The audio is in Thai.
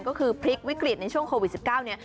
ก็คือพลิกวิกฤตในช่วงโควิด๑๙เนี่ย